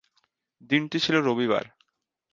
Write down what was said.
দিনটি ছিল রবিবার।